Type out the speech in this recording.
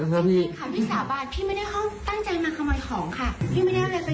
ถ้ามีอะไรมีรูปพี่กั้มลงได้เลยพี่ขอร้องค่ะ